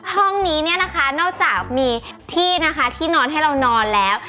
ห้องนี้เนี่ยนะคะนอกจากมีที่นะคะที่นอนให้เรานอนแล้ว